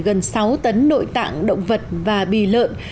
gần sáu tấn nội tạng động vật và bì lợn